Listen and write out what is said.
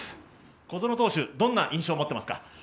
小園投手、どんな印象を持ってますか？